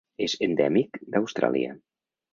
És endèmic d'Austràlia: